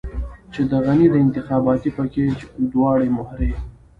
چې د غني د انتخاباتي پېکج دواړې مهرې.